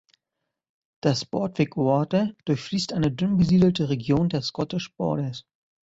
Das Borthwick Water durchfließt eine dünnbesiedelte Region der Scottish Borders.